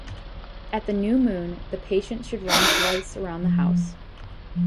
At the new moon, the patient should run thrice around the house.